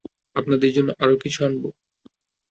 আপনাদের জন্য আর কিছু আনবো?